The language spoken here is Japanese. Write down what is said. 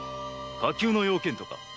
火急の用件とか。